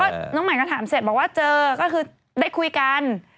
น้องใหม่ก็ถามเสร็จบอกว่าเจอก็คือได้คุยกัน